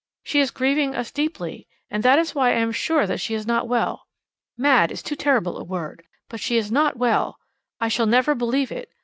She is grieving us deeply, and that is why I am sure that she is not well. 'Mad' is too terrible a word, but she is not well. I shall never believe it.